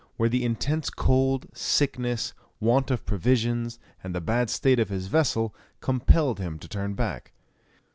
where the intense cold, sickness, want of provisions, and the bad state of his vessel, compelled him to turn back.